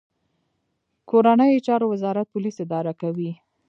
کورنیو چارو وزارت پولیس اداره کوي